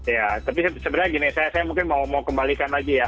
ya tapi sebenarnya gini saya mungkin mau kembalikan lagi ya